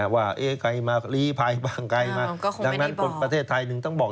ว่าไกลมาลีภัยไกลมาดังนั้นประเทศไทยหนึ่งต้องบอก